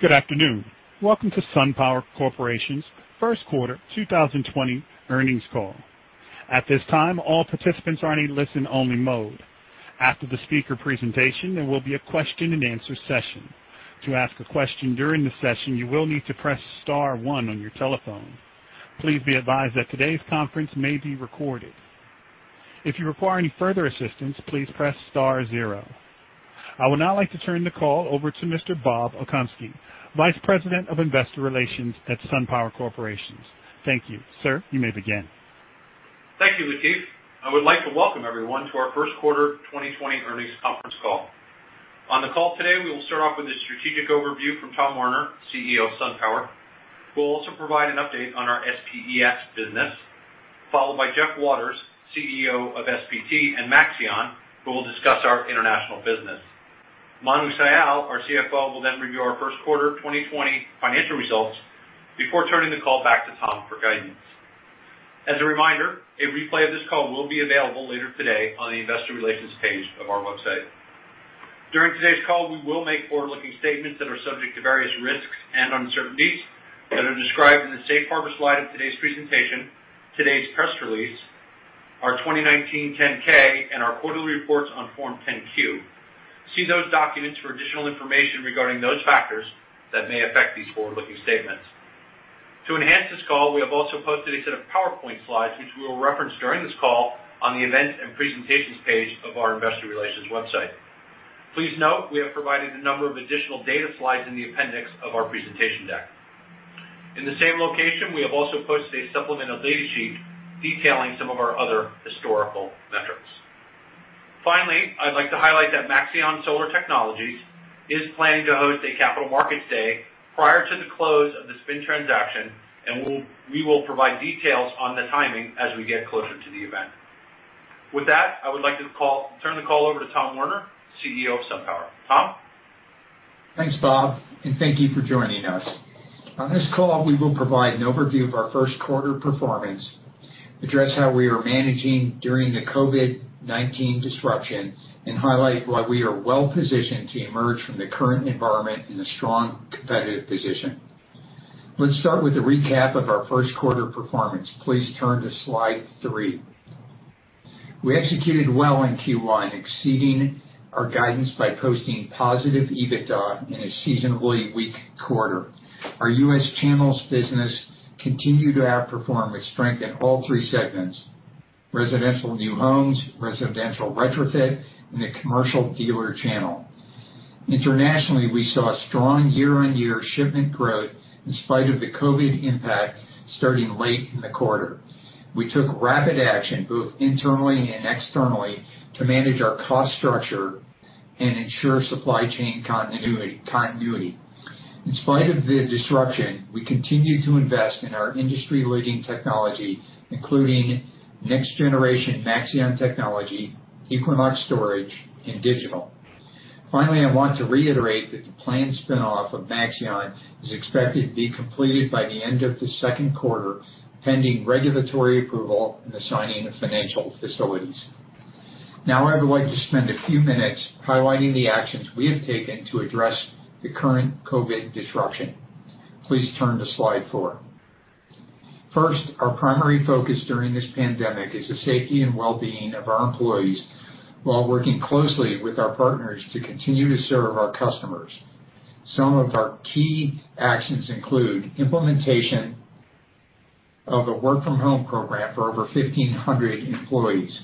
Good afternoon. Welcome to SunPower Corporation's first quarter 2020 earnings call. At this time, all participants are in listen-only mode. After the speaker presentation, there will be a question-and-answer session. To ask a question during the session, you will need to press star one on your telephone. Please be advised that today's conference may be recorded. If you require any further assistance, please press star zero. I would now like to turn the call over to Mr. Bob Okunski, Vice President of Investor Relations at SunPower Corporation. Thank you. Sir, you may begin. Thank you, Lateef. I would like to welcome everyone to our first quarter 2020 earnings conference call. On the call today, we will start off with a strategic overview from Tom Werner, CEO of SunPower. We'll also provide an update on our SPES business, followed by Jeff Waters, CEO of SPT and Maxeon, who will discuss our international business. Manu Sial, our CFO, will review our first quarter 2020 financial results before turning the call back to Tom for guidance. As a reminder, a replay of this call will be available later today on the investor relations page of our website. During today's call, we will make forward-looking statements that are subject to various risks and uncertainties that are described in the safe harbor slide of today's presentation, today's press release, our 2019 10-K, and our quarterly reports on Form 10-Q. See those documents for additional information regarding those factors that may affect these forward-looking statements. To enhance this call, we have also posted a set of PowerPoint slides, which we will reference during this call on the events and presentations page of our investor relations website. Please note we have provided a number of additional data slides in the appendix of our presentation deck. In the same location, we have also posted a supplemental data sheet detailing some of our other historical metrics. Finally, I'd like to highlight that Maxeon Solar Technologies is planning to host a capital markets day prior to the close of the spin transaction. We will provide details on the timing as we get closer to the event. With that, I would like to turn the call over to Tom Werner, CEO of SunPower. Tom? Thanks, Bob, and thank you for joining us. On this call, we will provide an overview of our first quarter performance, address how we are managing during the COVID-19 disruption, and highlight why we are well-positioned to emerge from the current environment in a strong, competitive position. Let's start with a recap of our first quarter performance. Please turn to slide three. We executed well in Q1, exceeding our guidance by posting positive EBITDA in a seasonably weak quarter. Our U.S. channels business continued to outperform with strength in all three segments, residential new homes, residential retrofit, and the commercial dealer channel. Internationally, we saw strong year-on-year shipment growth in spite of the COVID impact starting late in the quarter. We took rapid action, both internally and externally, to manage our cost structure and ensure supply chain continuity. In spite of the disruption, we continue to invest in our industry-leading technology, including next-generation Maxeon technology, Equinox Storage, and digital. Finally, I want to reiterate that the planned spin-off of Maxeon is expected to be completed by the end of the second quarter, pending regulatory approval and the signing of financial facilities. Now, I would like to spend a few minutes highlighting the actions we have taken to address the current COVID disruption. Please turn to slide four. First, our primary focus during this pandemic is the safety and well-being of our employees while working closely with our partners to continue to serve our customers. Some of our key actions include implementation of a work-from-home program for over 1,500 employees,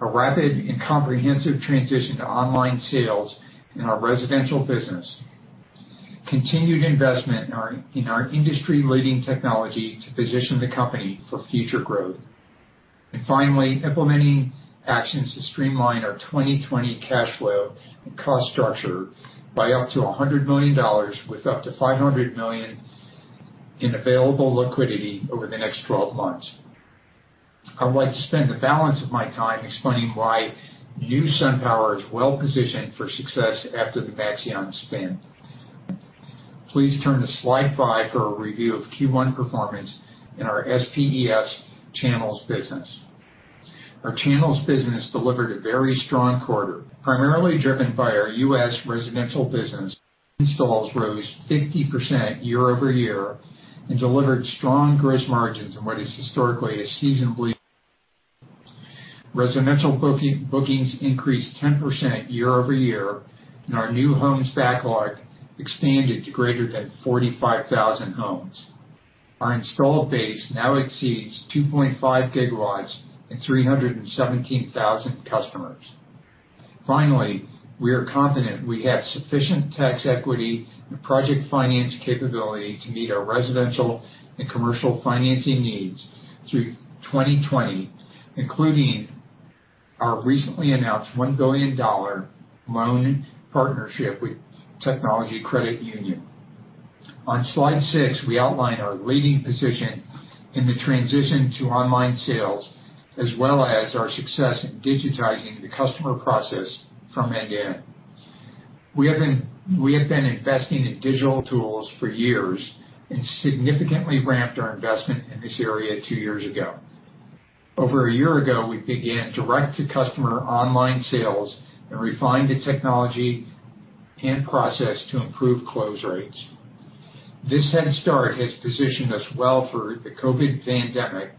a rapid and comprehensive transition to online sales in our residential business, continued investment in our industry-leading technology to position the company for future growth. Finally, implementing actions to streamline our 2020 cash flow and cost structure by up to $100 million with up to $500 million in available liquidity over the next 12 months. I would like to spend the balance of my time explaining why new SunPower is well-positioned for success after the Maxeon spin. Please turn to slide five for a review of Q1 performance in our SPES channels business. Our channels business delivered a very strong quarter, primarily driven by our U.S. residential business. Installs rose 50% year-over-year and delivered strong gross margins in what is historically a seasonably. Residential bookings increased 10% year-over-year, and our new homes backlog expanded to greater than 45,000 homes. Our installed base now exceeds 2.5 GW and 317,000 customers. We are confident we have sufficient tax equity and project finance capability to meet our residential and commercial financing needs through 2020, including our recently announced $1 billion loan partnership with Technology Credit Union. On slide six, we outline our leading position in the transition to online sales, as well as our success in digitizing the customer process from end to end. We have been investing in digital tools for years and significantly ramped our investment in this area two years ago. Over a year ago, we began direct-to-customer online sales and refined the technology and process to improve close rates. This headstart has positioned us well for the COVID pandemic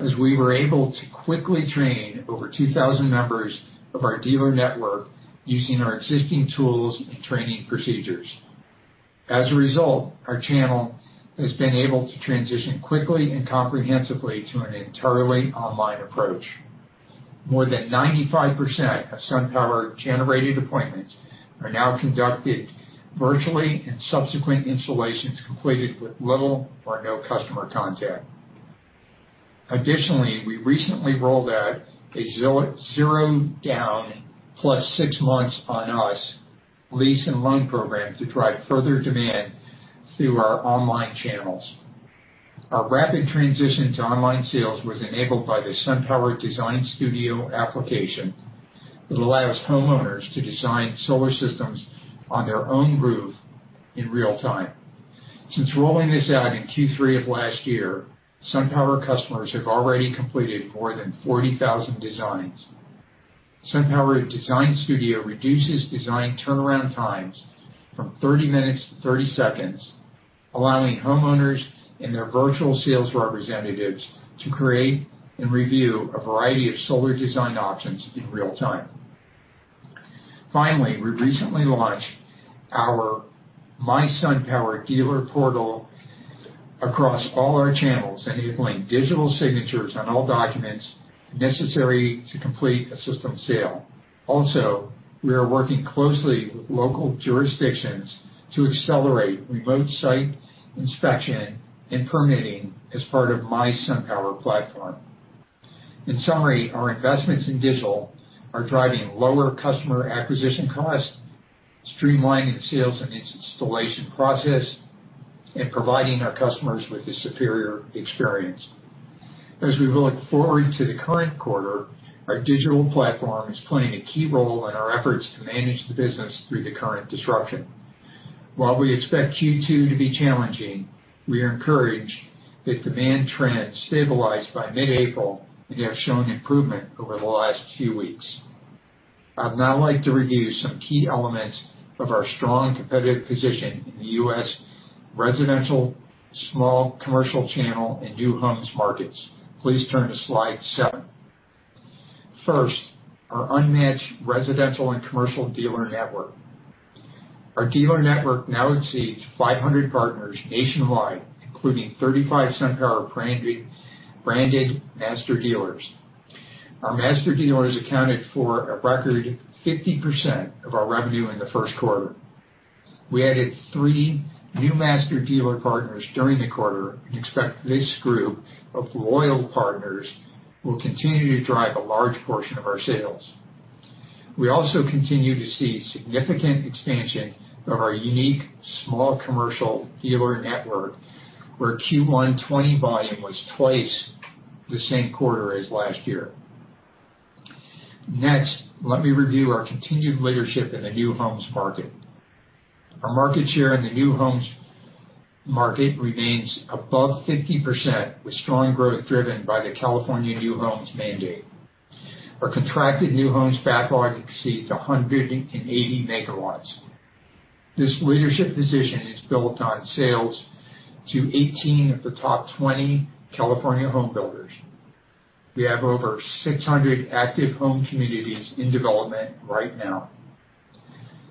as we were able to quickly train over 2,000 members of our dealer network using our existing tools and training procedures. Our channel has been able to transition quickly and comprehensively to an entirely online approach. More than 95% of SunPower-generated appointments are now conducted virtually, and subsequent installations completed with little or no customer contact. Additionally, we recently rolled out a zero down plus six months on us lease and loan program to drive further demand through our online channels. Our rapid transition to online sales was enabled by the SunPower Design Studio application that allows homeowners to design solar systems on their own roof in real-time. Since rolling this out in Q3 of last year, SunPower customers have already completed more than 40,000 designs. SunPower Design Studio reduces design turnaround times from 30 minutes to 30 seconds, allowing homeowners and their virtual sales representatives to create and review a variety of solar design options in real-time. We recently launched our MySunPower dealer portal across all our channels, enabling digital signatures on all documents necessary to complete a system sale. We are working closely with local jurisdictions to accelerate remote site inspection and permitting as part of MySunPower platform. In summary, our investments in digital are driving lower customer acquisition costs, streamlining the sales and installation process, and providing our customers with a superior experience. As we look forward to the current quarter, our digital platform is playing a key role in our efforts to manage the business through the current disruption. While we expect Q2 to be challenging, we are encouraged that demand trends stabilized by mid-April and have shown improvement over the last few weeks. I'd now like to review some key elements of our strong competitive position in the U.S. residential, small commercial channel, and new homes markets. Please turn to slide seven. First, our unmatched residential and commercial dealer network. Our dealer network now exceeds 500 partners nationwide, including 35 SunPower-branded master dealers. Our master dealers accounted for a record 50% of our revenue in the first quarter. We added three new master dealer partners during the quarter and expect this group of loyal partners will continue to drive a large portion of our sales. We also continue to see significant expansion of our unique small commercial dealer network, where Q1 2020 volume was twice the same quarter as last year. Let me review our continued leadership in the new homes market. Our market share in the new homes market remains above 50%, with strong growth driven by the California new homes mandate. Our contracted new homes backlog exceeds 180 MW. This leadership position is built on sales to 18 of the top 20 California home builders. We have over 600 active home communities in development right now.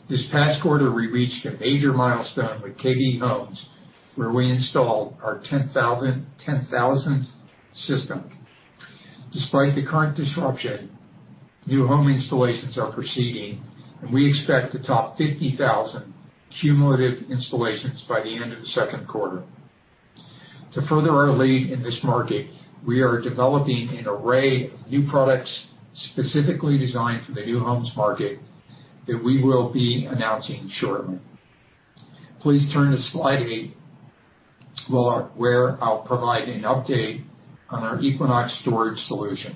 This past quarter, we reached a major milestone with KB Home, where we installed our 10,000th system. Despite the current disruption, new home installations are proceeding, and we expect to top 50,000 cumulative installations by the end of the second quarter. To further our lead in this market, we are developing an array of new products specifically designed for the new homes market that we will be announcing shortly. Please turn to slide eight where I'll provide an update on our Equinox Storage solution.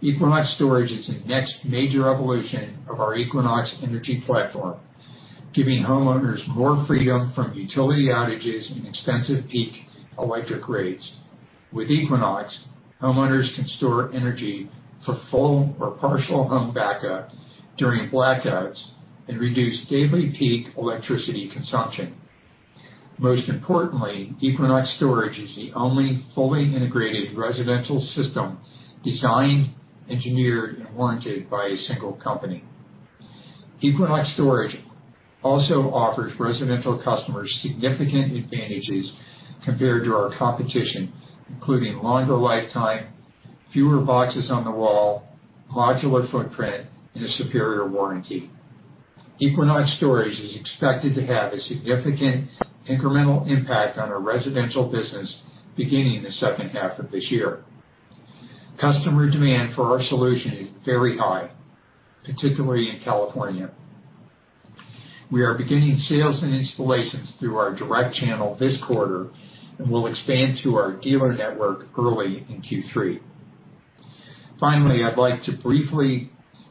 Equinox Storage is the next major evolution of our Equinox energy platform, giving homeowners more freedom from utility outages and expensive peak electric rates. With Equinox, homeowners can store energy for full or partial home backup during blackouts and reduce daily peak electricity consumption. Most importantly, Equinox Storage is the only fully integrated residential system designed, engineered, and warranted by a single company. Equinox Storage also offers residential customers significant advantages compared to our competition, including longer lifetime, fewer boxes on the wall, modular footprint, and a superior warranty. Equinox Storage is expected to have a significant incremental impact on our residential business beginning the second half of this year. Customer demand for our solution is very high, particularly in California. We are beginning sales and installations through our direct channel this quarter and will expand to our dealer network early in Q3. Finally, I'd like to briefly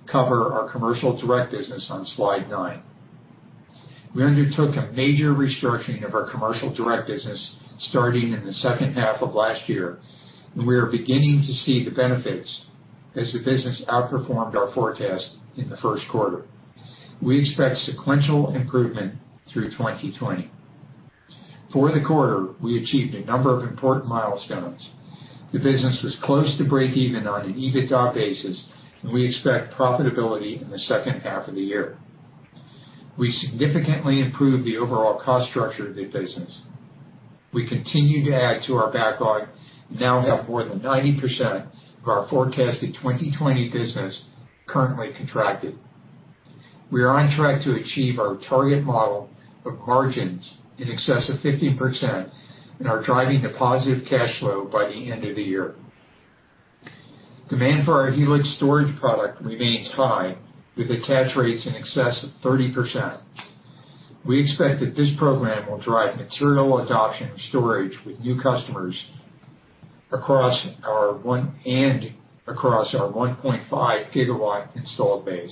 cover our commercial direct business on slide nine. We undertook a major restructuring of our commercial direct business starting in the second half of last year, and we are beginning to see the benefits as the business outperformed our forecast in the first quarter. We expect sequential improvement through 2020. For the quarter, we achieved a number of important milestones. The business was close to breakeven on an EBITDA basis, and we expect profitability in the second half of the year. We significantly improved the overall cost structure of the business. We continue to add to our backlog and now have more than 90% of our forecasted 2020 business currently contracted. We are on track to achieve our target model of margins in excess of 50% and are driving to positive cash flow by the end of the year. Demand for our Helix storage product remains high, with attach rates in excess of 30%. We expect that this program will drive material adoption of storage with new customers and across our 1.5 GW installed base.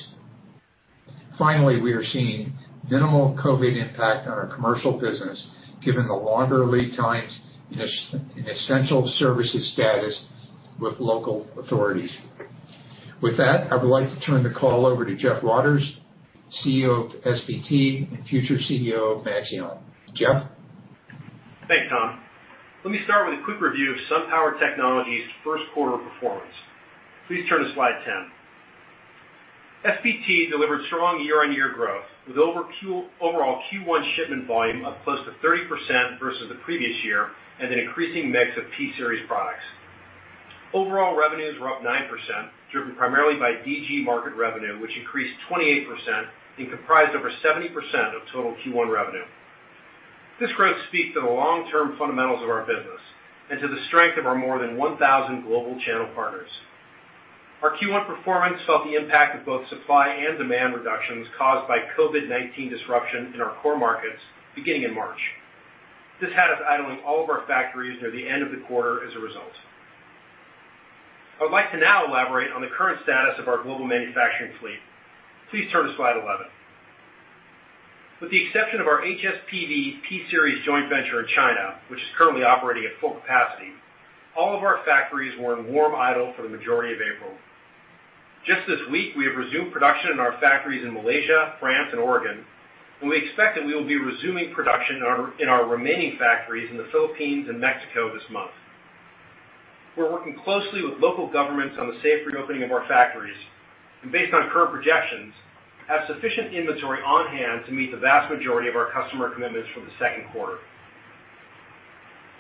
Finally, we are seeing minimal COVID impact on our commercial business, given the longer lead times and essential services status with local authorities. With that, I would like to turn the call over to Jeff Waters, CEO of SPT and future CEO of Maxeon. Jeff? Thanks, Tom. Let me start with a quick review of SunPower Technologies' first quarter performance. Please turn to slide 10. SPT delivered strong year-on-year growth, with overall Q1 shipment volume up close to 30% versus the previous year, and an increasing mix of P-Series products. Overall revenues were up 9%, driven primarily by DG market revenue, which increased 28% and comprised over 70% of total Q1 revenue. This growth speaks to the long-term fundamentals of our business and to the strength of our more than 1,000 global channel partners. Our Q1 performance felt the impact of both supply and demand reductions caused by COVID-19 disruption in our core markets beginning in March. This had us idling all of our factories near the end of the quarter as a result. I would like to now elaborate on the current status of our global manufacturing fleet. Please turn to slide 11. With the exception of our HSPV P-Series joint venture in China, which is currently operating at full capacity, all of our factories were in warm idle for the majority of April. Just this week, we have resumed production in our factories in Malaysia, France, and Oregon, and we expect that we will be resuming production in our remaining factories in the Philippines and Mexico this month. We're working closely with local governments on the safe reopening of our factories, and based on current projections, have sufficient inventory on-hand to meet the vast majority of our customer commitments for the second quarter.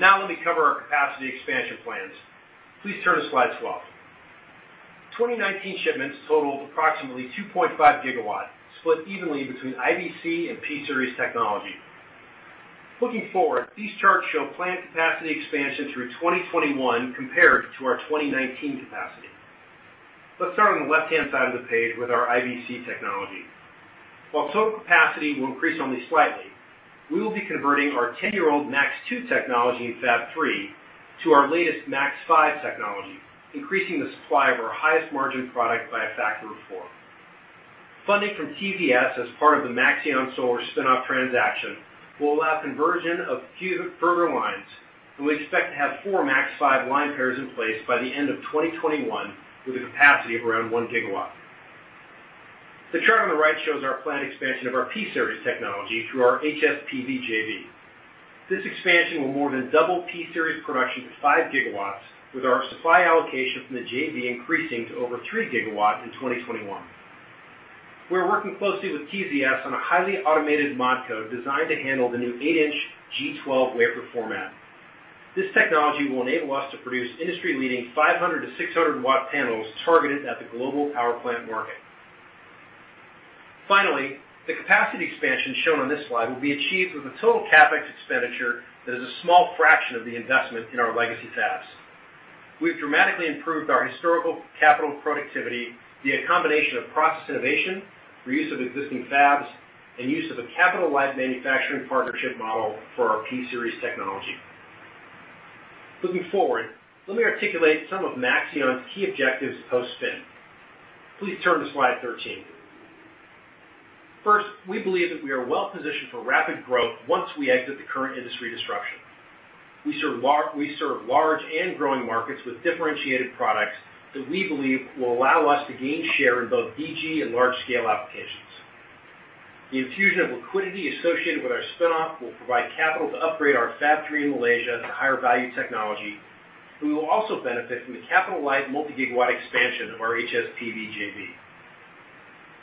Now let me cover our capacity expansion plans. Please turn to slide 12. 2019 shipments totaled approximately 2.5 GW, split evenly between IBC and P-Series technology. Looking forward, these charts show planned capacity expansion through 2021 compared to our 2019 capacity. Let's start on the left-hand side of the page with our IBC technology. While total capacity will increase only slightly, we will be converting our 10-year-old Maxeon 2 technology in Fab 3 to our latest Maxeon 5 technology, increasing the supply of our highest margin product by a factor of four. Funding from TZS as part of the Maxeon Solar spin-off transaction will allow conversion of future further lines, and we expect to have four Maxeon 5 line pairs in place by the end of 2021 with a capacity of around 1 gigawatt. The chart on the right shows our planned expansion of our P-Series technology through our HSPV JV. This expansion will more than double P-Series production to 5 GW, with our supply allocation from the JV increasing to over 3 GW in 2021. We're working closely with TZS on a highly automated mod line designed to handle the new eight-inch G12 wafer format. This technology will enable us to produce industry-leading 500-600-watt panels targeted at the global power plant market. Finally, the capacity expansion shown on this slide will be achieved with a total CapEx expenditure that is a small fraction of the investment in our legacy fabs. We've dramatically improved our historical capital productivity via a combination of process innovation, reuse of existing fabs, and use of a capital light manufacturing partnership model for our P-Series technology. Looking forward, let me articulate some of Maxeon's key objectives post-spin. Please turn to slide 13. First, we believe that we are well positioned for rapid growth once we exit the current industry disruption. We serve large and growing markets with differentiated products that we believe will allow us to gain share in both DG and large-scale applications. The infusion of liquidity associated with our spin-off will provide capital to upgrade our Fab 3 in Malaysia to higher value technology, and we will also benefit from the capital light multi-gigawatt expansion of our HSPV JV.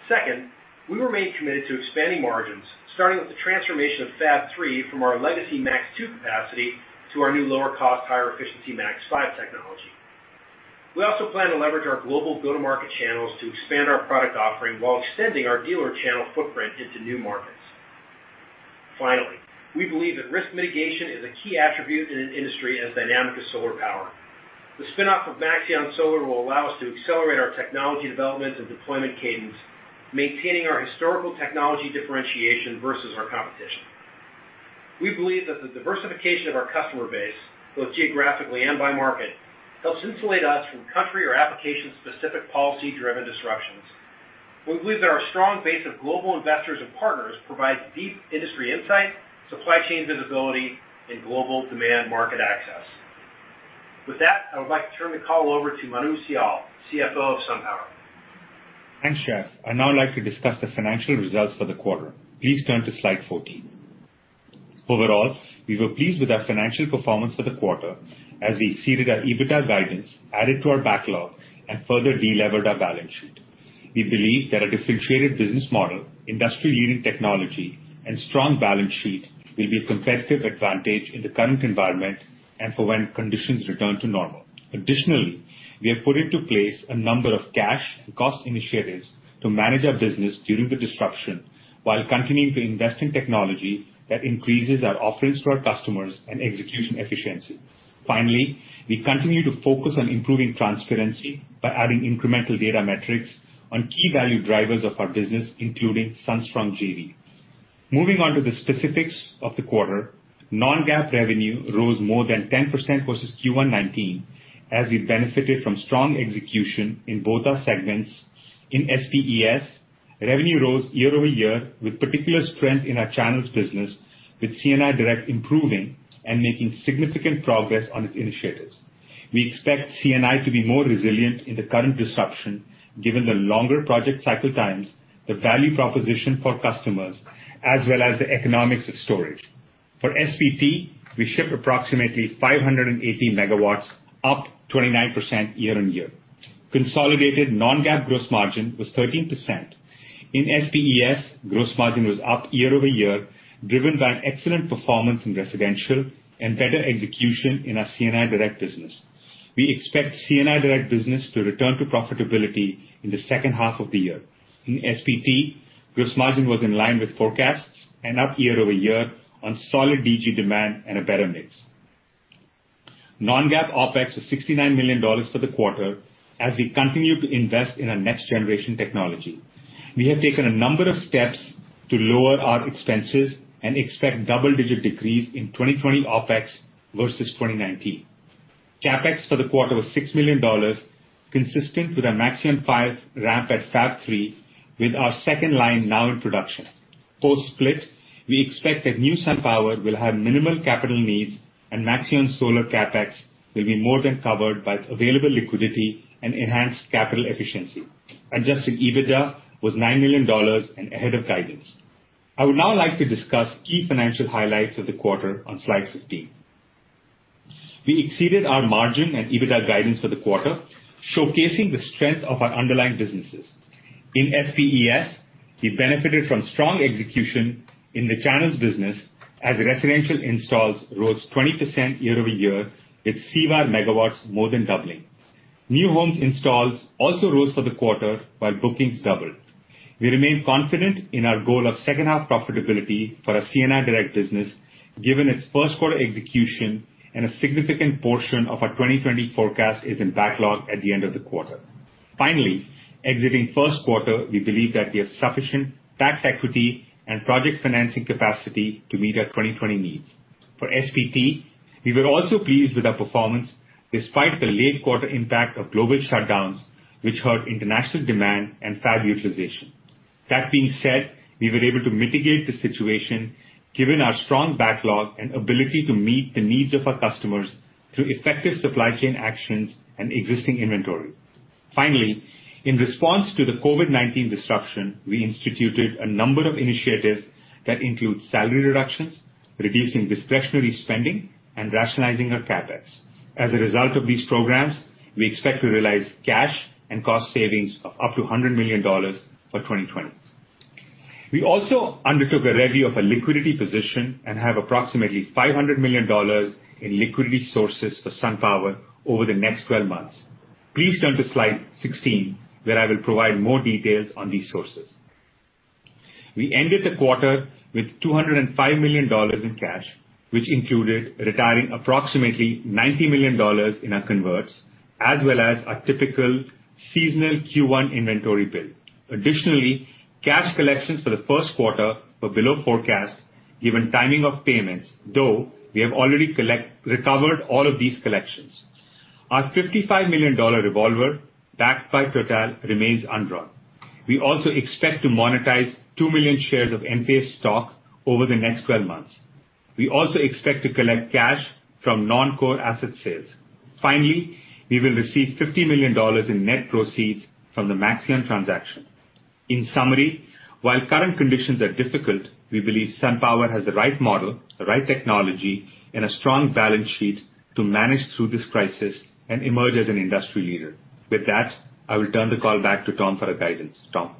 Second, we remain committed to expanding margins, starting with the transformation of Fab 3 from our legacy Maxeon 2 capacity to our new lower cost, higher efficiency Maxeon 5 technology. We also plan to leverage our global go-to-market channels to expand our product offering while extending our dealer channel footprint into new markets. Finally, we believe that risk mitigation is a key attribute in an industry as dynamic as solar power. The spin-off of Maxeon Solar will allow us to accelerate our technology development and deployment cadence, maintaining our historical technology differentiation versus our competition. We believe that the diversification of our customer base, both geographically and by market, helps insulate us from country or application-specific policy-driven disruptions. We believe that our strong base of global investors and partners provides deep industry insight, supply chain visibility, and global demand market access. With that, I would like to turn the call over to Manu Sial, CFO of SunPower. Thanks, Jeff. I'd now like to discuss the financial results for the quarter. Please turn to Slide 14. Overall, we were pleased with our financial performance for the quarter as we exceeded our EBITDA guidance, added to our backlog, and further de-levered our balance sheet. We believe that a differentiated business model, industry-leading technology, and strong balance sheet will be a competitive advantage in the current environment and for when conditions return to normal. Additionally, we have put into place a number of cash and cost initiatives to manage our business during the disruption while continuing to invest in technology that increases our offerings to our customers and execution efficiency. Finally, we continue to focus on improving transparency by adding incremental data metrics on key value drivers of our business, including SunStrong JV. Moving on to the specifics of the quarter, non-GAAP revenue rose more than 10% versus Q1 2019, as we benefited from strong execution in both our segments. In SPES, revenue rose year-over-year with particular strength in our channels business, with C&I direct improving and making significant progress on its initiatives. We expect C&I to be more resilient in the current disruption, given the longer project cycle times, the value proposition for customers, as well as the economics of storage. For SPT, we shipped approximately 580 MW, up 29% year-on-year. Consolidated non-GAAP gross margin was 13%. In SPES, gross margin was up year-over-year, driven by an excellent performance in residential and better execution in our C&I direct business. We expect C&I direct business to return to profitability in the second half of the year. In SPT, gross margin was in line with forecasts and up year-over-year on solid DG demand and a better mix. Non-GAAP OpEx was $69 million for the quarter as we continue to invest in our next generation technology. We have taken a number of steps to lower our expenses and expect double-digit decrease in 2020 OpEx versus 2019. CapEx for the quarter was $6 million, consistent with our Maxeon 5 ramp at Fab 3, with our second line now in production. Post-split, we expect that new SunPower will have minimal capital needs, and Maxeon Solar CapEx will be more than covered by available liquidity and enhanced capital efficiency. Adjusted EBITDA was $9 million and ahead of guidance. I would now like to discuss key financial highlights of the quarter on Slide 15. We exceeded our margin and EBITDA guidance for the quarter, showcasing the strength of our underlying businesses. In SPES, we benefited from strong execution in the channels business as residential installs rose 20% year-over-year, with CVAR megawatts more than doubling. New homes installs also rose for the quarter while bookings doubled. We remain confident in our goal of second half profitability for our C&I direct business, given its first quarter execution and a significant portion of our 2020 forecast is in backlog at the end of the quarter. Finally, exiting first quarter, we believe that we have sufficient tax equity and project financing capacity to meet our 2020 needs. For SPT, we were also pleased with our performance despite the late quarter impact of global shutdowns, which hurt international demand and fab utilization. That being said, we were able to mitigate the situation given our strong backlog and ability to meet the needs of our customers through effective supply chain actions and existing inventory. Finally, in response to the COVID-19 disruption, we instituted a number of initiatives that include salary reductions, reducing discretionary spending, and rationalizing our CapEx. As a result of these programs, we expect to realize cash and cost savings of up to $100 million for 2020. We also undertook a review of our liquidity position and have approximately $500 million in liquidity sources for SunPower over the next 12 months. Please turn to Slide 16, where I will provide more details on these sources. We ended the quarter with $205 million in cash, which included retiring approximately $90 million in our converts, as well as our typical seasonal Q1 inventory build. Cash collections for the first quarter were below forecast, given timing of payments, though we have already recovered all of these collections. Our $55 million revolver backed by Total remains undrawn. We also expect to monetize 2 million shares of Enphase stock over the next 12 months. We also expect to collect cash from non-core asset sales. Finally, we will receive $50 million in net proceeds from the Maxeon transaction. In summary, while current conditions are difficult, we believe SunPower has the right model, the right technology, and a strong balance sheet to manage through this crisis and emerge as an industry leader. With that, I will turn the call back to Tom for our guidance. Tom?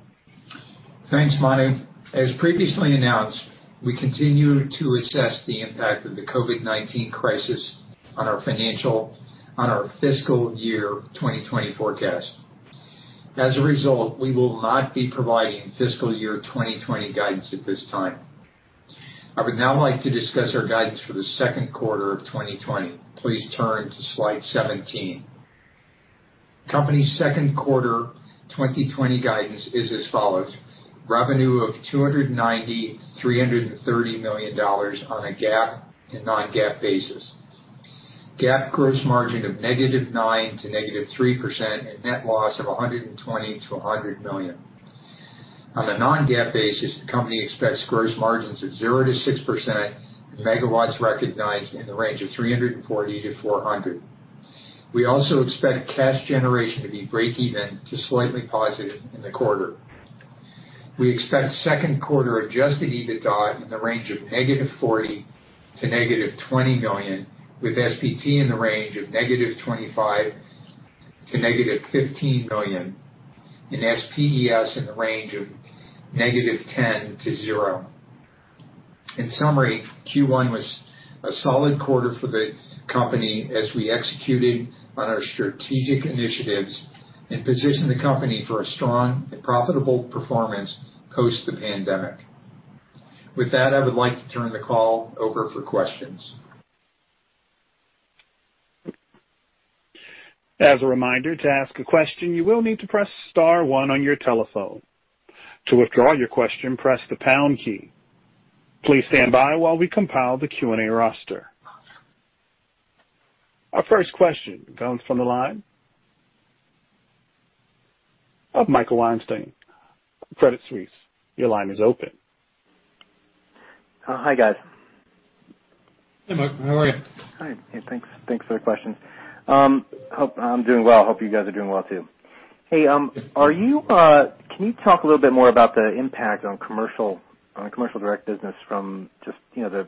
Thanks, Manu. As previously announced, we continue to assess the impact of the COVID-19 crisis on our fiscal year 2020 forecast. As a result, we will not be providing fiscal year 2020 guidance at this time. I would now like to discuss our guidance for the second quarter of 2020. Please turn to Slide 17. Company's second quarter 2020 guidance is as follows: revenue of $290 million-$330 million on a GAAP and non-GAAP basis. GAAP gross margin of -9% to -3%, and net loss of $120 million-$100 million. On a non-GAAP basis, the company expects gross margins of 0%-6% and megawatts recognized in the range of 340-400. We also expect cash generation to be breakeven to slightly positive in the quarter. We expect second quarter adjusted EBITDA in the range of -$40 million to -$20 million, with SPT in the range of -$25 million to -$15 million, and SPES in the range of - $10 million-$0. In summary, Q1 was a solid quarter for the company as we executed on our strategic initiatives and positioned the company for a strong and profitable performance post the pandemic. With that, I would like to turn the call over for questions. As a reminder, to ask a question, you will need to press star one on your telephone. To withdraw your question, press the pound key. Please stand by while we compile the Q&A roster. Our first question comes from the line of Michael Weinstein, Credit Suisse. Your line is open. Hi, guys. Hey, Mike. How are you? Hi. Hey, thanks for the question. I'm doing well. Hope you guys are doing well, too. Hey, can you talk a little bit more about the impact on the commercial direct business from just the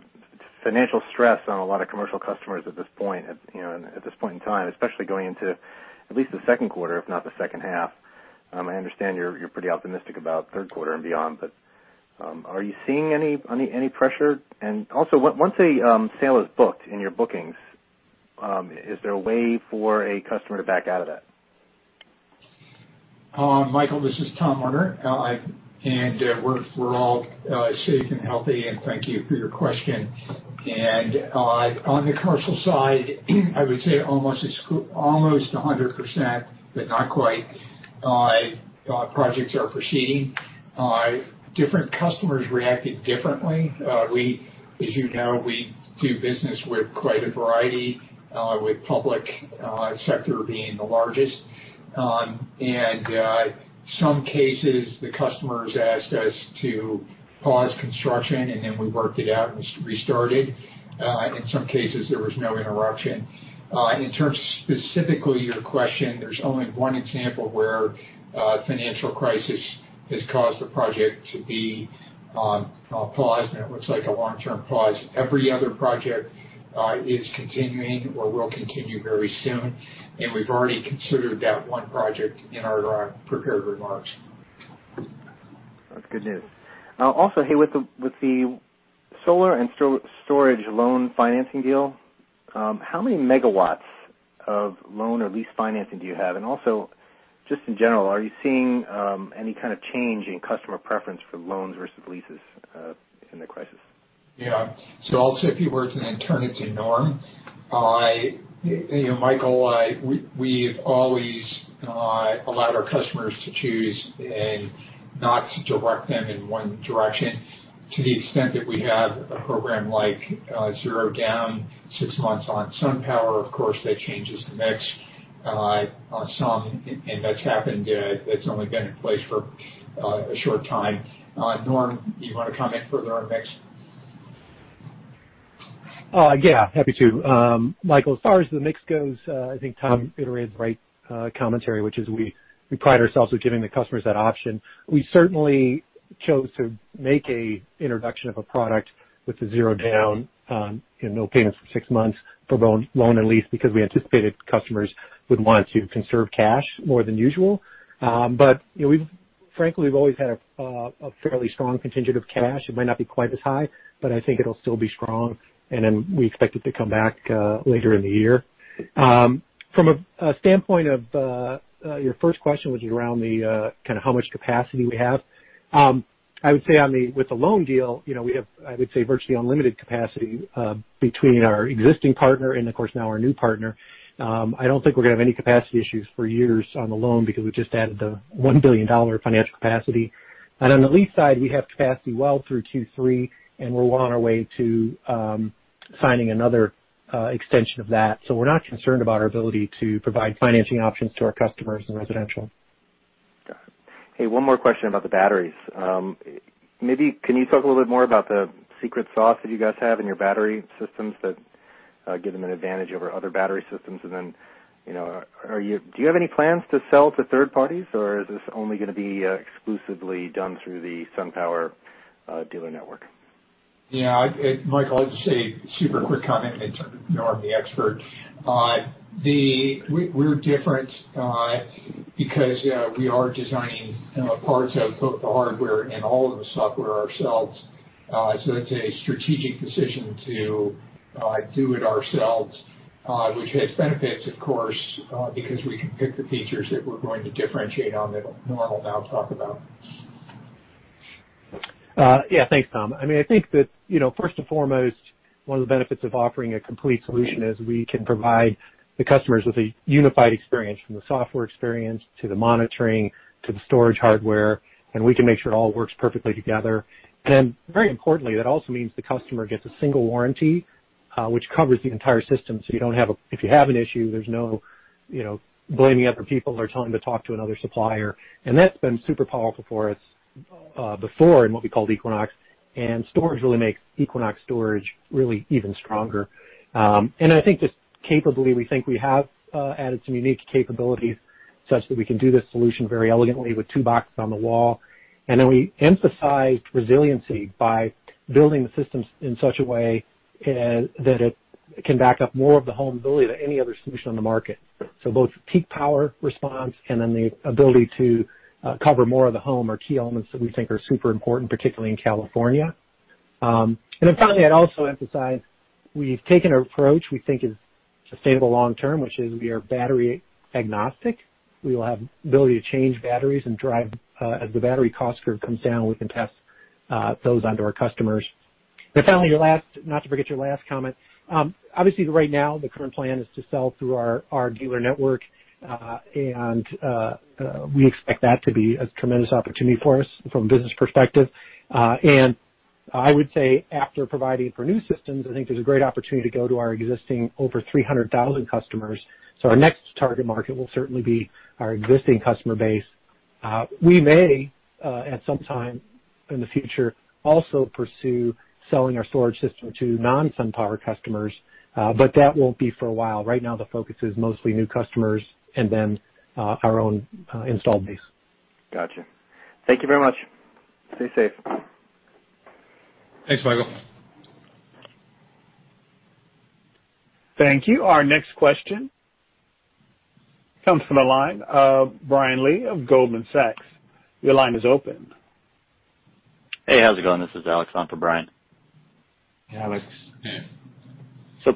financial stress on a lot of commercial customers at this point in time, especially going into at least the second quarter, if not the second half? I understand you're pretty optimistic about third quarter and beyond, but are you seeing any pressure? Also, once a sale is booked in your bookings, is there a way for a customer to back out of that? Michael, this is Tom Werner. We're all safe and healthy, and thank you for your question. On the commercial side, I would say almost 100%, but not quite, projects are proceeding. Different customers reacted differently. As you know, we do business with quite a variety, with public sector being the largest. In some cases, the customers asked us to pause construction, and then we worked it out and restarted. In some cases, there was no interruption. In terms specifically your question, there's only one example where a financial crisis has caused the project to be paused, and it looks like a long-term pause. Every other project is continuing or will continue very soon, and we've already considered that one project in our prepared remarks. That's good news. Hey, with the solar and storage loan financing deal, how many megawatts of loan or lease financing do you have? Just in general, are you seeing any kind of change in customer preference for loans versus leases in the crisis? Yeah. I'll say a few words and then turn it to Norm. Michael, we've always allowed our customers to choose and not to direct them in one direction. To the extent that we have a program like zero down, six months on SunPower, of course, that changes the mix on some, and that's happened. That's only been in place for a short time. Norm, do you want to comment further on mix? Yeah, happy to. Michael, as far as the mix goes, I think Tom iterated the right commentary, which is we pride ourselves with giving the customers that option. We certainly chose to make an introduction of a product with the zero down and no payments for six months for loan and lease because we anticipated customers would want to conserve cash more than usual. Frankly, we've always had a fairly strong contingent of cash. It might not be quite as high, but I think it'll still be strong, and then we expect it to come back later in the year. From a standpoint of your first question, which is around how much capacity we have. I would say with the loan deal, we have virtually unlimited capacity between our existing partner and, of course, now our new partner. I don't think we're going to have any capacity issues for years on the loan because we just added the $1 billion financial capacity. On the lease side, we have capacity well through Q3, and we're well on our way to signing another extension of that. We're not concerned about our ability to provide financing options to our customers in residential. Got it. Hey, one more question about the batteries. Can you talk a little bit more about the secret sauce that you guys have in your battery systems that give them an advantage over other battery systems? Do you have any plans to sell to third parties, or is this only going to be exclusively done through the SunPower dealer network? Michael, I'll just say a super quick comment, and then turn it to Norm, the expert. We're different because we are designing parts of both the hardware and all of the software ourselves. It's a strategic decision to do it ourselves, which has benefits, of course, because we can pick the features that we're going to differentiate on that Norm will now talk about. Yeah. Thanks, Tom. I think that first and foremost, one of the benefits of offering a complete solution is we can provide the customers with a unified experience, from the software experience to the monitoring to the storage hardware, and we can make sure it all works perfectly together. Very importantly, that also means the customer gets a single warranty, which covers the entire system. If you have an issue, there's no blaming other people or telling to talk to another supplier. That's been super powerful for us before in what we called Equinox, and storage really makes Equinox Storage really even stronger. I think just capably, we think we have added some unique capabilities such that we can do this solution very elegantly with two boxes on the wall. We emphasized resiliency by building the systems in such a way that it can back up more of the home ability than any other solution on the market. Both peak power response and then the ability to cover more of the home are key elements that we think are super important, particularly in California. Finally, I'd also emphasize, we've taken an approach we think is sustainable long term, which is we are battery agnostic. We will have ability to change batteries and drive as the battery cost curve comes down, we can pass those on to our customers. Finally, not to forget your last comment. Obviously, right now the current plan is to sell through our dealer network. We expect that to be a tremendous opportunity for us from a business perspective. I would say after providing for new systems, I think there's a great opportunity to go to our existing over 300,000 customers. Our next target market will certainly be our existing customer base. We may, at some time in the future, also pursue selling our storage system to non-SunPower customers. That won't be for a while. Right now, the focus is mostly new customers and then our own installed base. Got you. Thank you very much. Stay safe. Thanks, Michael. Thank you. Our next question comes from the line of Brian Lee of Goldman Sachs. Your line is open. Hey, how's it going? This is Alex on for Brian. Hey, Alex.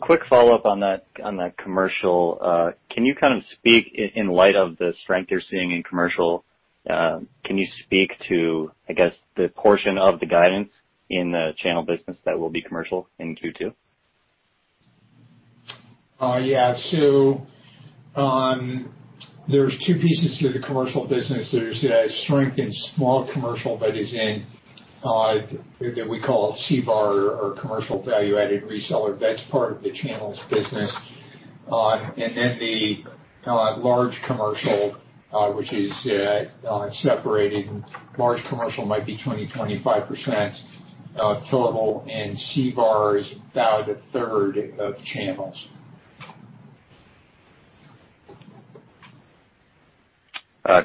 Quick follow-up on that commercial. In light of the strength you're seeing in commercial, can you speak to, I guess, the portion of the guidance in the channel business that will be commercial in Q2? There's two pieces to the commercial business. There's a strength in small commercial that we call CVAR or commercial value-added reseller. That's part of the channels business. The large commercial, which is separated. Large commercial might be 20%-25% billable, and CVAR is about a third of channels.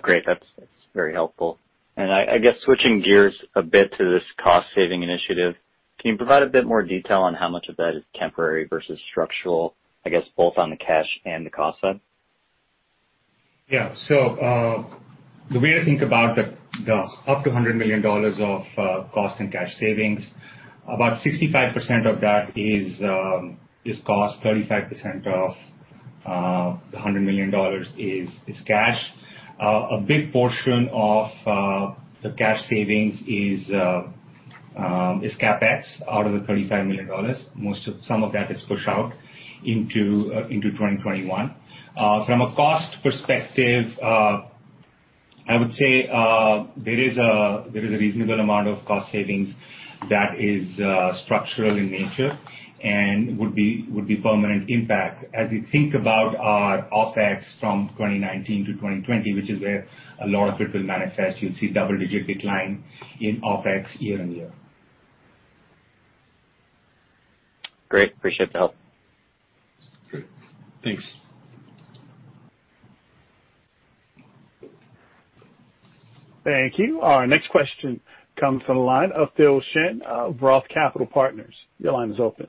Great. That's very helpful. I guess switching gears a bit to this cost-saving initiative, can you provide a bit more detail on how much of that is temporary versus structural, I guess both on the cash and the cost side? The way to think about the up to $100 million of cost and cash savings, about 65% of that is cost, 35% of the $100 million is cash. A big portion of the cash savings is CapEx out of the $35 million. Some of that is pushed out into 2021. From a cost perspective, I would say there is a reasonable amount of cost savings that is structural in nature and would be permanent impact. As you think about our OpEx from 2019-2020, which is where a lot of it will manifest, you'll see double-digit decline in OpEx year-on-year. Great. Appreciate the help. Great. Thanks. Thank you. Our next question comes from the line of Phil Shen of Roth Capital Partners. Your line is open.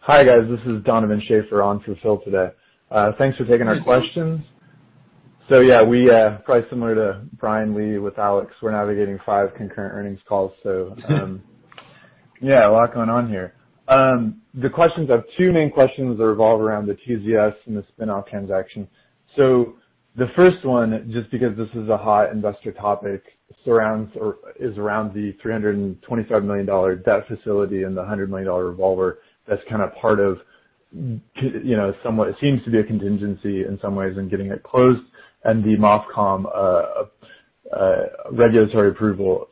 Hi, guys. This is Donovan Schafer on for Phil today. Thanks for taking our questions. Yeah, we, probably similar to Brian Lee with Alex, we're navigating five concurrent earnings calls, so yeah, a lot going on here. The questions, I have two main questions that revolve around the TZS and the spin-off transaction. The first one, just because this is a hot investor topic, is around the $325 million debt facility and the $100 million revolver that's part of, it seems to be a contingency in some ways in getting it closed and the MOFCOM regulatory approval.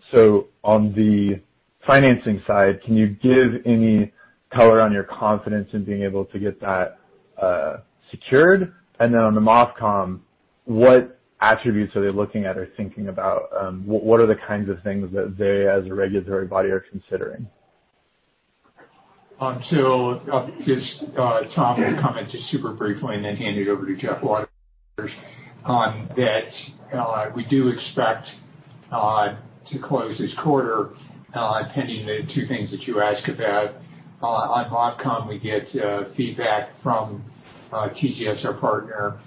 On the financing side, can you give any color on your confidence in being able to get that secured? Then on the MOFCOM, what attributes are they looking at or thinking about? What are the kinds of things that they as a regulatory body are considering? I'll just, Tom, comment just super briefly and then hand it over to Jeff Waters on that. We do expect to close this quarter, pending the two things that you ask about. On MOFCOM, we get feedback from TZS, our partner,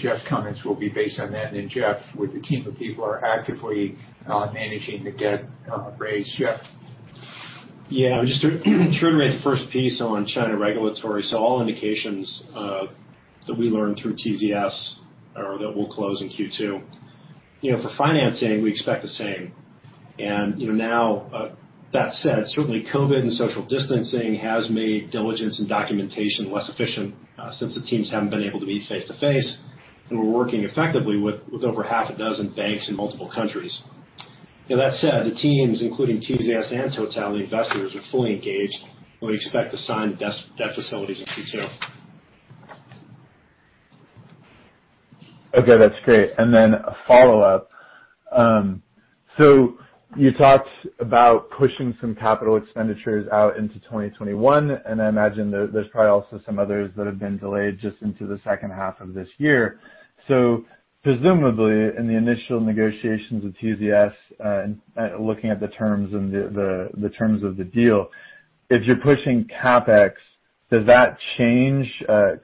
Jeff's comments will be based on that. Jeff, with a team of people, are actively managing to get rate shift Yeah. Just to reiterate the first piece on China regulatory. All indications that we learned through TZS that will close in Q2. For financing, we expect the same. Now that said, certainly COVID and social distancing has made diligence and documentation less efficient since the teams haven't been able to meet face-to-face, and we're working effectively with over half a dozen banks in multiple countries. That said, the teams, including TZS and Total, the investors are fully engaged, and we expect to sign the debt facilities in Q2. Okay, that's great. Then a follow-up. You talked about pushing some capital expenditures out into 2021, and I imagine there's probably also some others that have been delayed just into the second half of this year. Presumably in the initial negotiations with TZS, looking at the terms of the deal, if you're pushing CapEx, does that change?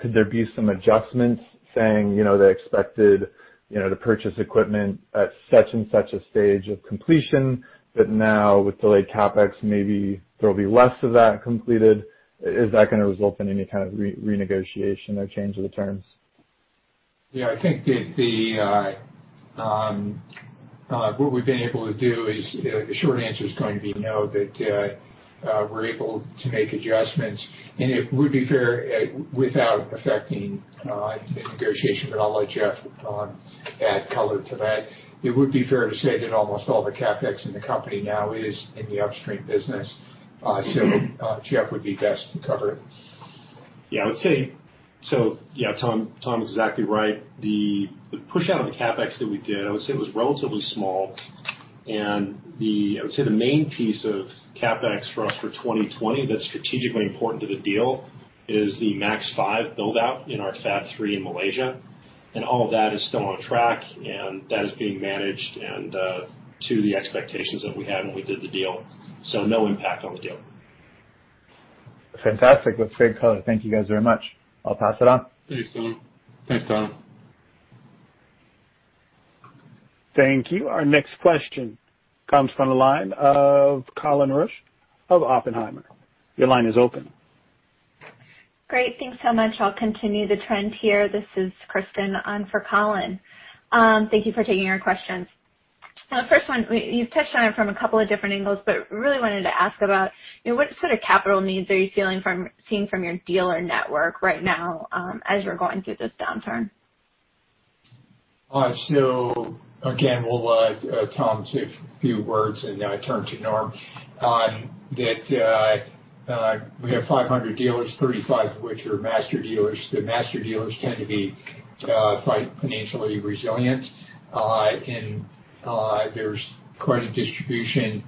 Could there be some adjustments saying they expected to purchase equipment at such and such a stage of completion, but now with delayed CapEx, maybe there'll be less of that completed? Is that going to result in any kind of renegotiation or change of the terms? Yeah, I think that what we've been able to do is the short answer is going to be no, that we're able to make adjustments, and it would be fair without affecting the negotiation, but I'll let Jeff add color to that. It would be fair to say that almost all the CapEx in the company now is in the upstream business. Jeff would be best to cover it. Yeah, Tom is exactly right. The push out of the CapEx that we did, I would say it was relatively small, and I would say the main piece of CapEx for us for 2020 that's strategically important to the deal is the Maxeon 5 build-out in our Fab 3 in Malaysia. All of that is still on track, and that is being managed and to the expectations that we had when we did the deal. No impact on the deal. Fantastic. That's great color. Thank you guys very much. I'll pass it on. Thanks, Tom. Thank you. Our next question comes from the line of Colin Rusch of Oppenheimer. Your line is open. Great. Thanks so much. I'll continue the trend here. This is Kristen on for Colin. Thank you for taking our questions. First one, you've touched on it from a couple of different angles, but really wanted to ask about what sort of capital needs are you seeing from your dealer network right now as you're going through this downturn? Again, we'll let Tom say a few words and then I turn to Norm. We have 500 dealers, 35 of which are master dealers. The master dealers tend to be quite financially resilient, and there's quite a distribution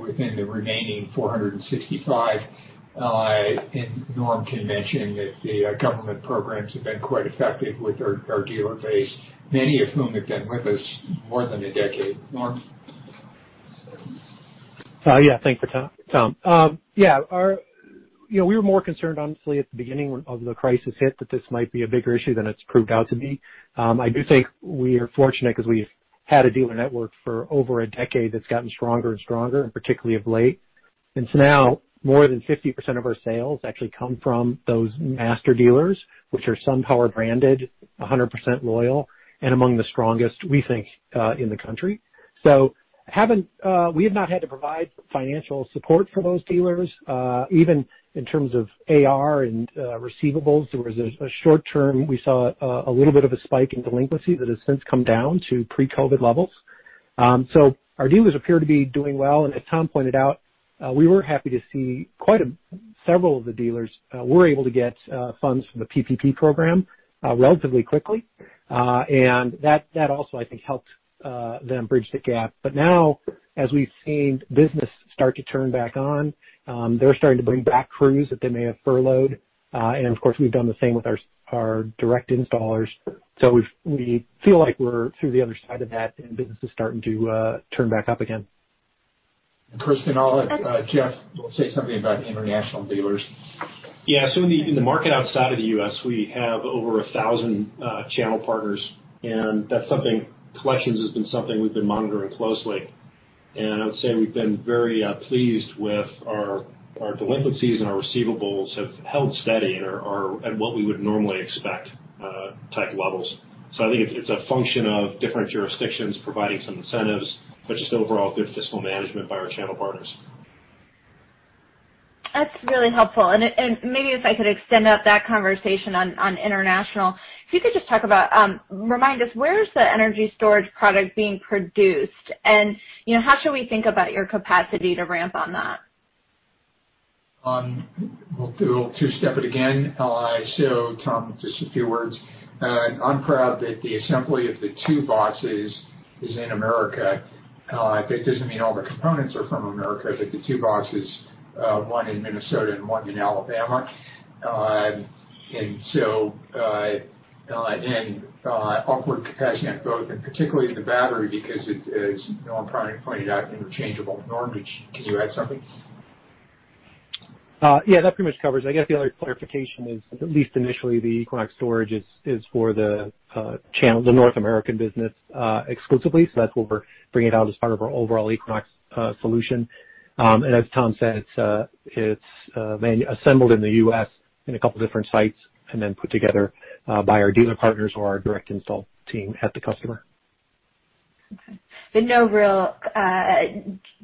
within the remaining 465. Norm can mention that the government programs have been quite effective with our dealer base, many of whom have been with us more than a decade. Norm? Thanks for Tom. We were more concerned, honestly, at the beginning of the crisis hit that this might be a bigger issue than it's proved out to be. I do think we are fortunate because we've had a dealer network for over a decade that's gotten stronger and stronger, and particularly of late. Now more than 50% of our sales actually come from those master dealers, which are SunPower branded, 100% loyal, and among the strongest, we think, in the country. We have not had to provide financial support for those dealers, even in terms of AR and receivables. There was a short-term, we saw a little bit of a spike in delinquency that has since come down to pre-COVID levels. Our dealers appear to be doing well, and as Tom pointed out, we were happy to see several of the dealers were able to get funds from the PPP program relatively quickly. That also, I think, helped them bridge the gap. Now, as we've seen business start to turn back on, they're starting to bring back crews that they may have furloughed. Of course, we've done the same with our direct installers. We feel like we're through the other side of that and business is starting to turn back up again. Kristen, I'll let Jeff say something about international dealers. In the market outside of the U.S., we have over 1,000 channel partners, and collections has been something we've been monitoring closely. I would say we've been very pleased with our delinquencies and our receivables have held steady and are at what we would normally expect type levels. I think it's a function of different jurisdictions providing some incentives, but just overall good fiscal management by our channel partners. That's really helpful. Maybe if I could extend out that conversation on international. If you could just remind us, where is the energy storage product being produced? How should we think about your capacity to ramp on that? We'll do a little two-step it again. Tom, just a few words. I'm proud that the assembly of the two boxes is in America. That doesn't mean all the components are from America, the two boxes, one in Minnesota and one in Alabama. Upward capacity on both and particularly the battery because it is, Norm probably pointed out interchangeable. Norm, could you add something? Yeah, that pretty much covers it. I guess the other clarification is, at least initially, the Equinox Storage is for the North American business exclusively. That's what we're bringing out as part of our overall Equinox solution. As Tom said, it's assembled in the U.S. in a couple different sites and then put together by our dealer partners or our direct install team at the customer. Okay. No real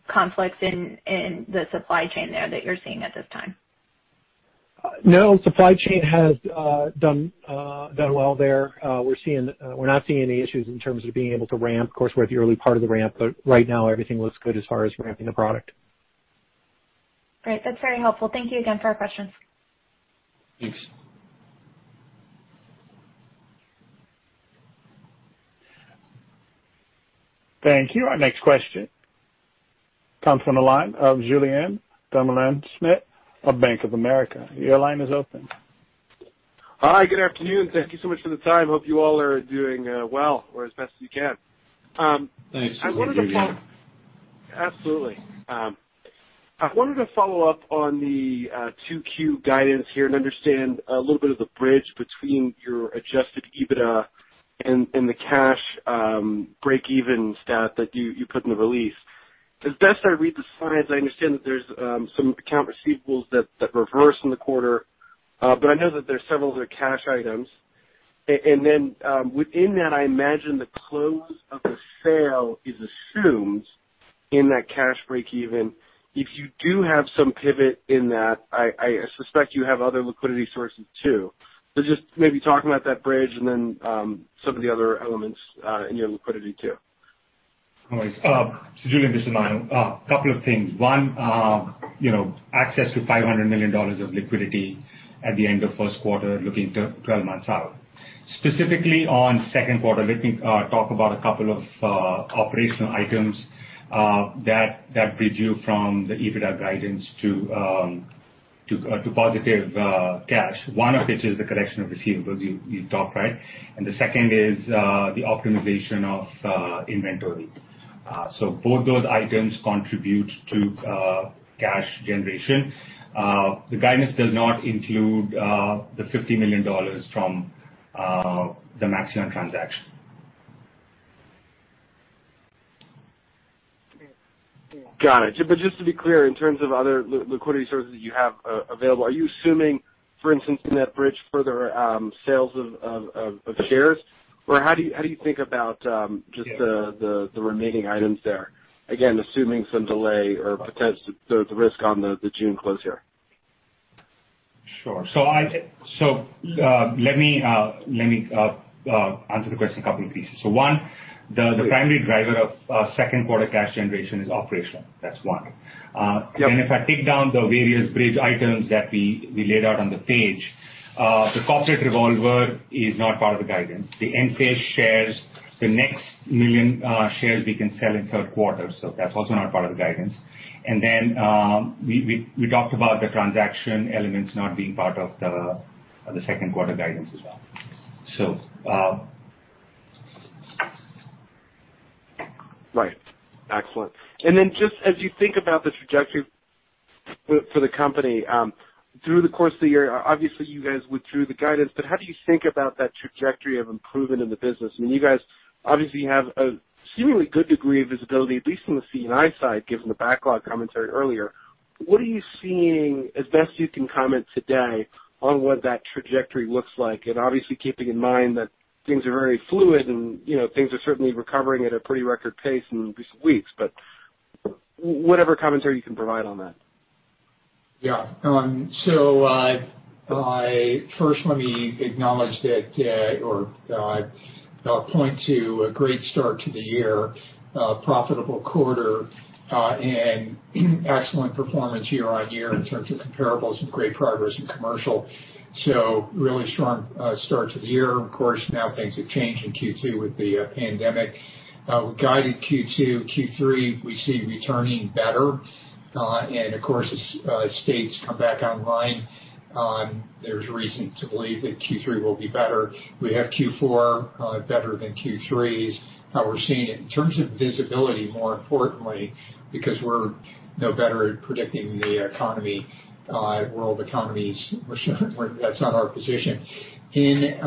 conflicts in the supply chain there that you're seeing at this time? No, supply chain has done well there. We are not seeing any issues in terms of being able to ramp. Of course, we are at the early part of the ramp, but right now everything looks good as far as ramping the product. Great. That's very helpful. Thank you again for our questions. Thanks. Thank you. Our next question comes from the line of Julien Dumoulin-Smith of Bank of America. Your line is open. Hi, good afternoon. Thank you so much for the time. Hope you all are doing well or as best as you can. Thanks. Absolutely. I wanted to follow up on the 2Q guidance here and understand a little bit of the bridge between your adjusted EBITDA and the cash breakeven stat that you put in the release. As best I read the slides, I understand that there's some account receivables that reverse in the quarter. I know that there's several other cash items. Within that, I imagine the close of the sale is assumed in that cash breakeven. If you do have some pivot in that, I suspect you have other liquidity sources too. Just maybe talking about that bridge and then some of the other elements in your liquidity too. All right. Julien, this is Manu. A couple of things. One, access to $500 million of liquidity at the end of first quarter, looking 12 months out. Specifically on second quarter, let me talk about a couple of operational items that bridge you from the EBITDA guidance to positive cash. One of which is the correction of receivables you talked, right? The second is the optimization of inventory. Both those items contribute to cash generation. The guidance does not include the $50 million from the Maxeon transaction. Got it. Just to be clear, in terms of other liquidity sources you have available, are you assuming, for instance, in that bridge, further sales of shares? How do you think about just the remaining items there? Again, assuming some delay or the risk on the June close here. Sure. Let me answer the question in a couple of pieces. One, the primary driver of second quarter cash generation is operational. That's one. If I take down the various bridge items that we laid out on the page, the corporate revolver is not part of the guidance. The Enphase shares, the next 1 million shares we can sell in third quarter, that's also not part of the guidance. We talked about the transaction elements not being part of the second quarter guidance as well. Right. Excellent. Then just as you think about the trajectory for the company, through the course of the year, obviously you guys withdrew the guidance, but how do you think about that trajectory of improvement in the business? You guys obviously have a seemingly good degree of visibility, at least on the C&I side, given the backlog commentary earlier. What are you seeing, as best you can comment today, on what that trajectory looks like? Obviously keeping in mind that things are very fluid and things are certainly recovering at a pretty record pace in recent weeks. Whatever commentary you can provide on that. Yeah. First let me acknowledge that, or I'll point to a great start to the year. A profitable quarter, excellent performance year-over-year in terms of comparables and great progress in commercial. Really strong start to the year. Of course, now things have changed in Q2 with the pandemic. We guided Q2. Q3, we see returning better. Of course, as states come back online, there's reason to believe that Q3 will be better. We have Q4 better than Q3. How we're seeing it in terms of visibility, more importantly, because we're no better at predicting the world economies, that's not our position. In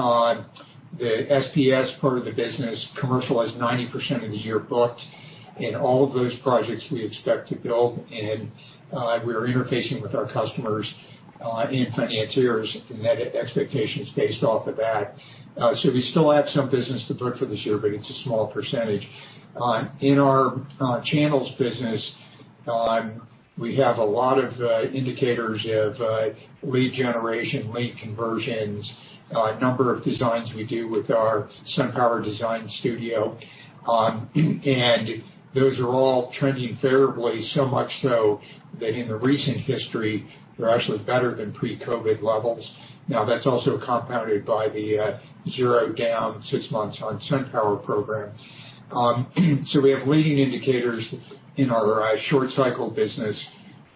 the SPES part of the business, commercial has 90% of the year booked, and all of those projects we expect to build, and we are interfacing with our customers and financiers and their expectations based off of that. We still have some business to book for this year, but it's a small percentage. In our channels business, we have a lot of indicators of lead generation, lead conversions, number of designs we do with our SunPower Design Studio. Those are all trending favorably, so much so that in the recent history, they're actually better than pre-COVID levels. That's also compounded by the zero down, six months on SunPower program. We have leading indicators in our short cycle business,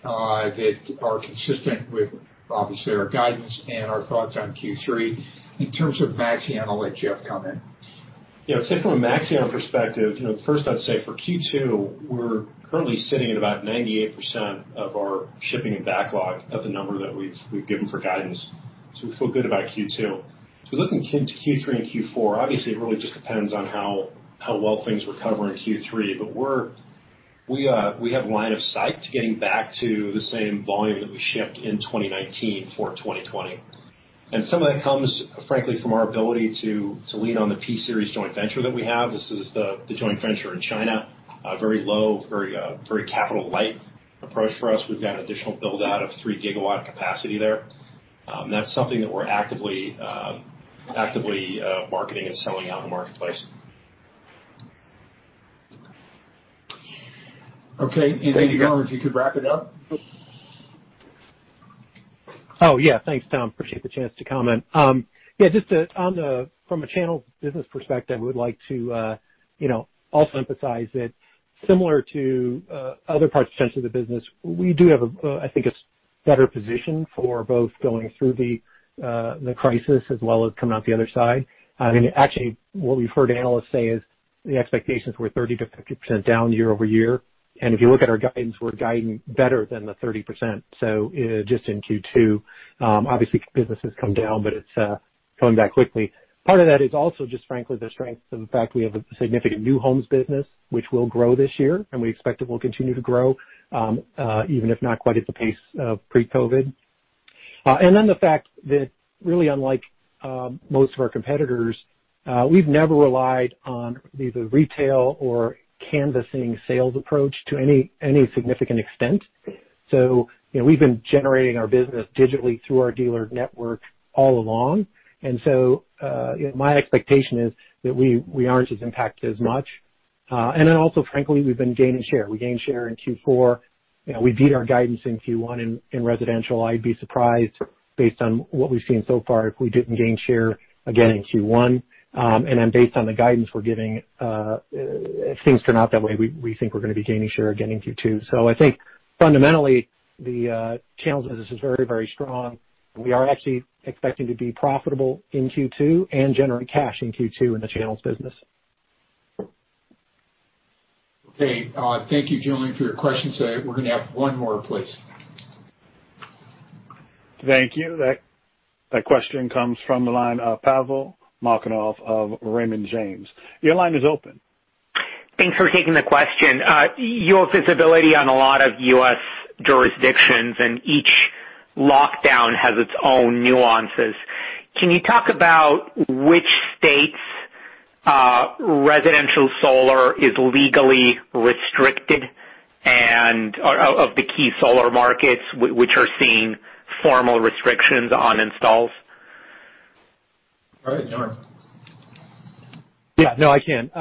that are consistent with, obviously, our guidance and our thoughts on Q3. In terms of Maxeon, I'll let Jeff come in. From a Maxeon perspective, first I'd say for Q2, we're currently sitting at about 98% of our shipping and backlog of the number that we've given for guidance. Looking to Q3 and Q4, obviously, it really just depends on how well things recover in Q3. We have line of sight to getting back to the same volume that we shipped in 2019 for 2020. Some of that comes, frankly, from our ability to lean on the P-Series joint venture that we have. This is the joint venture in China. Very low, very capital-light approach for us. We've got an additional build-out of 3 GW capacity there. That's something that we're actively marketing and selling out in the marketplace. Okay. John, if you could wrap it up. Yeah. Thanks, Tom. Appreciate the chance to comment. Yeah, just from a channel business perspective, we would like to also emphasize that similar to other parts potentially of the business, we do have, I think, a better position for both going through the crisis as well as coming out the other side. Actually, what we've heard analysts say is the expectations were 30%-50% down year-over-year. If you look at our guidance, we're guiding better than the 30%. Just in Q2 obviously business has come down, but it's coming back quickly. Part of that is also just frankly, the strength of the fact we have a significant new homes business which will grow this year, and we expect it will continue to grow even if not quite at the pace of pre-COVID-19. The fact that really unlike most of our competitors, we've never relied on the retail or canvassing sales approach to any significant extent. We've been generating our business digitally through our dealer network all along. My expectation is that we aren't as impacted as much. Also, frankly, we've been gaining share. We gained share in Q4. We beat our guidance in Q1 in residential. I'd be surprised based on what we've seen so far if we didn't gain share again in Q1. Based on the guidance we're giving, if things turn out that way, we think we're going to be gaining share again in Q2. I think fundamentally the channels business is very, very strong. We are actually expecting to be profitable in Q2 and generate cash in Q2 in the channels business. Okay. Thank you, John, for your questions today. We're going to have one more, please. Thank you. That question comes from the line of Pavel Molchanov of Raymond James. Your line is open. Thanks for taking the question. Your visibility on a lot of U.S. jurisdictions and each lockdown has its own nuances. Can you talk about which states residential solar is legally restricted and of the key solar markets, which are seeing formal restrictions on installs? All right, John. Yeah. No, I can.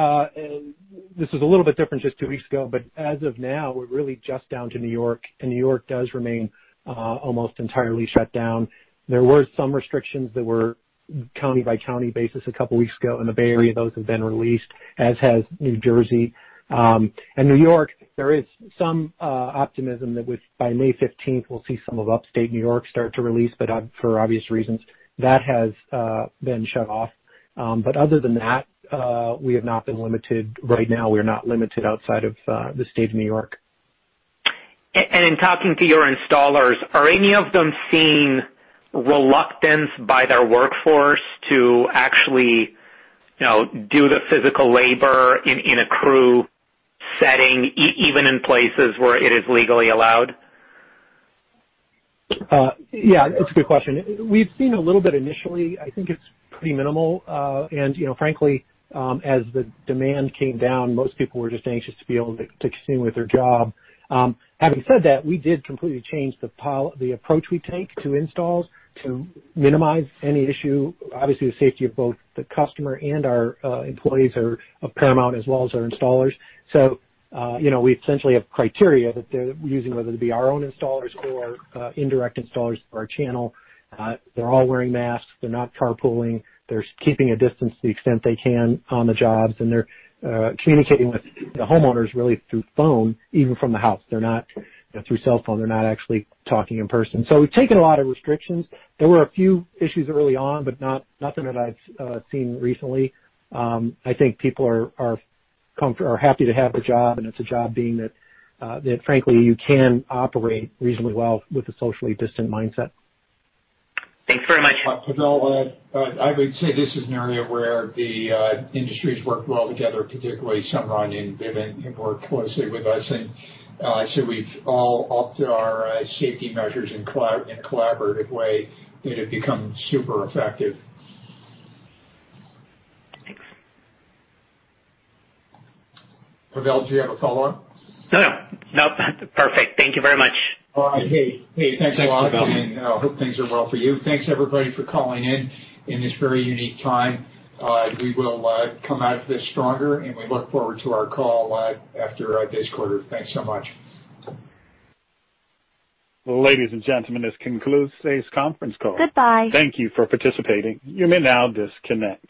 This is a little bit different just two weeks ago, but as of now, we're really just down to New York, and New York does remain almost entirely shut down. There were some restrictions that were county-by-county basis a couple weeks ago in the Bay Area. Those have been released, as has New Jersey. In New York, there is some optimism that by May 15th, we'll see some of Upstate New York start to release, but for obvious reasons, that has been shut off. Other than that we have not been limited. Right now, we are not limited outside of the state of New York. In talking to your installers, are any of them seeing reluctance by their workforce to actually do the physical labor in a crew setting, even in places where it is legally allowed? Yeah, that's a good question. We've seen a little bit initially. I think it's pretty minimal. Frankly as the demand came down, most people were just anxious to be able to continue with their job. Having said that, we did completely change the approach we take to installs to minimize any issue. Obviously, the safety of both the customer and our employees are paramount as well as our installers. We essentially have criteria that they're using, whether it be our own installers or indirect installers through our channel. They're all wearing masks. They're not carpooling. They're keeping a distance to the extent they can on the jobs, and they're communicating with the homeowners really through phone, even from the house. Through cell phone, they're not actually talking in person. We've taken a lot of restrictions. There were a few issues early on, but nothing that I've seen recently. I think people are happy to have the job, and it's a job being that frankly, you can operate reasonably well with a socially distant mindset. Thanks very much. Pavel, I would say this is an area where the industry's worked well together, particularly Sunrun and Vivint have worked closely with us, I say we've all upped our safety measures in a collaborative way that have become super effective. Thanks. Pavel, do you have a follow-up? No. Perfect. Thank you very much. All right. Hey, thanks a lot. Thanks, Pavel. I hope things are well for you. Thanks, everybody, for calling in in this very unique time. We will come out of this stronger, and we look forward to our call after this quarter. Thanks so much. Ladies and gentlemen, this concludes today's conference call. Goodbye. Thank you for participating. You may now disconnect.